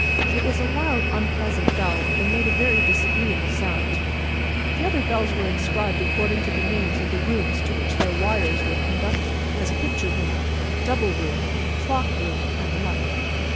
It was a loud, unpleasant bell, and made a very disagreeable sound. The other bells were inscribed according to the names of the rooms to which their wires were conducted: as "Picture Room," "Double Room," "Clock Room," and the like.